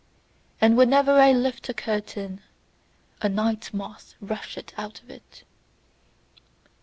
And whenever I lift a curtain, a night moth rusheth out of it.